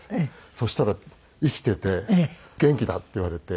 そしたら生きていて元気だって言われて。